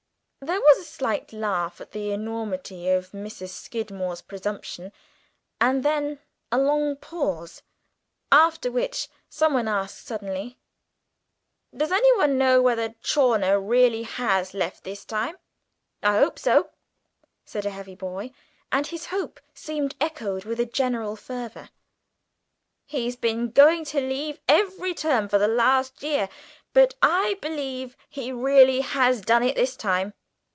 There was a slight laugh at the enormity of Mrs. Skidmore's presumption, and then a long pause, after which some one asked suddenly, "Does any one know whether Chawner really has left this time?" "I hope so," said a big, heavy boy, and his hope seemed echoed with a general fervour. "He's been going to leave every term for the last year, but I believe he really has done it this time.